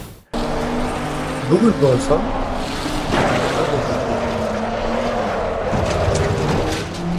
Bu gün bolsa, bir kararlylyga gözüm gidýär.